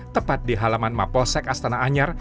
tepat di halaman map polsek astana anyar